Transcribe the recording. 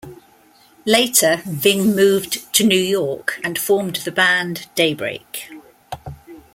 Later, Ving moved to New York and formed the band Daybreak.